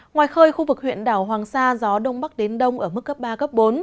ngoài khơi khu vực huyện đảo hoàng sa gió đông bắc đến đông ở mức cấp ba cấp bốn